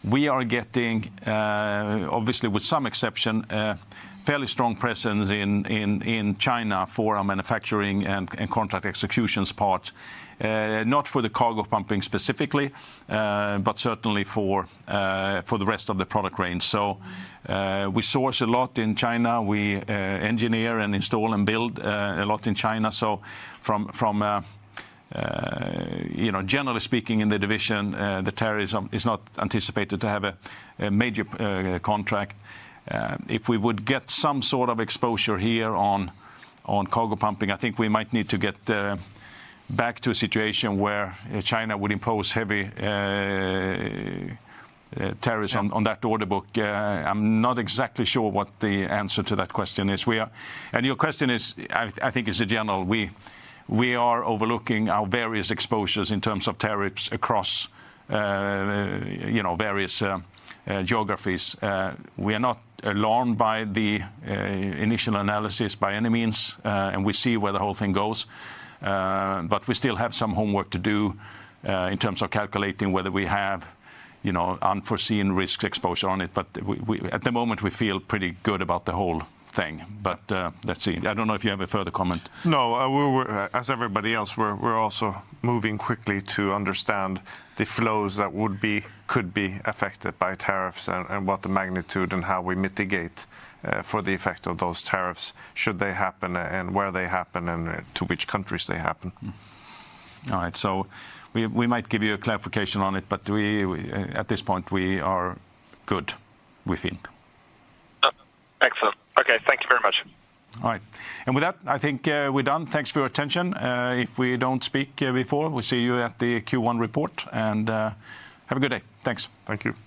we are getting, obviously with some exception, a fairly strong presence in China for our manufacturing and contract executions part, not for the cargo pumping specifically but certainly for the rest of the product range, so we source a lot in China. We engineer and install and build a lot in China, so generally speaking, in the division, the tariffs are not anticipated to have a major impact. If we would get some sort of exposure here on cargo pumping, I think we might need to get back to a situation where China would impose heavy tariffs on that order book. Yes. I'm not exactly sure what the answer to that question is. Your question is, I think it's a general. We are looking over our various exposures in terms of tariffs across various geographies. We are not alarmed by the initial analysis, by any means. We see where the whole thing goes. We still have some homework to do in terms of calculating whether we have unforeseen risk exposure on it. At the moment, we feel pretty good about the whole thing. Let's see. I don't know if you have a further comment. No. As everybody else, we're also moving quickly to understand the flows that could be affected by tariffs and what the magnitude and how we mitigate for the effect of those tariffs should they happen and where they happen and to which countries they happen. All right. So we might give you a clarification on it, but at this point, we are good, we feel. Excellent. Okay. Thank you very much. All right. And with that, I think we're done. Thanks for your attention. If we don't speak before, we'll see you at the Q1 report. And have a good day. Thanks. Thank you.